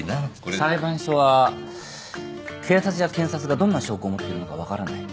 裁判所は警察や検察がどんな証拠を持っているのか分からない。